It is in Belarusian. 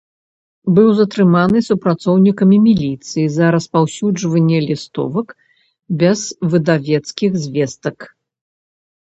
Быў затрыманы супрацоўнікамі міліцыі за распаўсюджванне лістовак без выдавецкіх звестак.